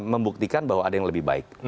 membuktikan bahwa ada yang lebih baik